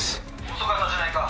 ☎遅かったじゃないか。